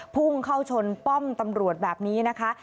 พุ่งเข้าชนป้อมตำรวจแบบนี้นะคะ